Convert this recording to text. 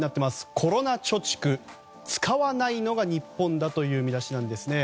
コロナ貯蓄使わないのが日本だという見出しなんですね。